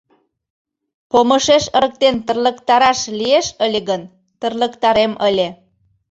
— Помышеш ырыктен тырлыктараш лиеш ыле гын, тырлыктарем ыле.